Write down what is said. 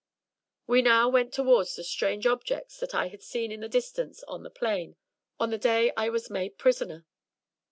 We now went towards the strange objects that I had seen in the distance on the plain, on the day I was made prisoner.